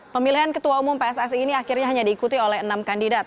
pemilihan ketua umum pssi ini akhirnya hanya diikuti oleh enam kandidat